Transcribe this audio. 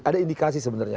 ada indikasi sebenarnya